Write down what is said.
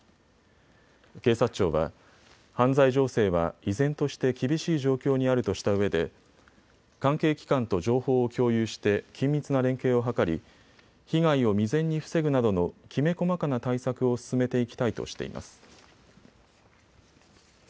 警察庁は、犯罪情勢は依然として厳しい状況にあるとしたうえで関係機関と情報を共有して緊密な連携を図り被害を未然に防ぐなどのきめ細かな対策を進めていきたいとしています。